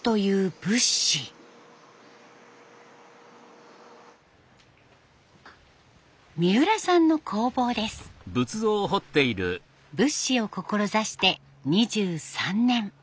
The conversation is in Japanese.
仏師を志して２３年。